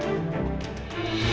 temat aja ya